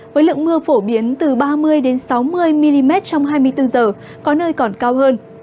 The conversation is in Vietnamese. với lượng mưa phổ biến từ ba mươi sáu mươi mm trong hai mươi bốn h có nơi còn cao hơn